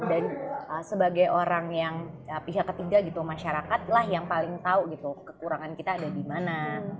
dan sebagai orang yang pihak ketiga gitu masyarakat lah yang paling tahu gitu kekurangan kita ada di mana